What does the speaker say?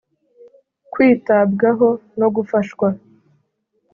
Kwitabwaho no gufashwa